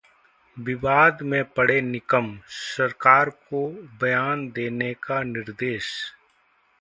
विवाद में पड़े निकम, सरकार को बयान देने का निर्देश